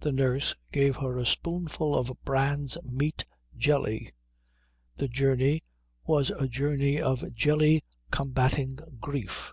The nurse gave her a spoonful of Brand's Meat Jelly. The journey was a journey of jelly combating grief.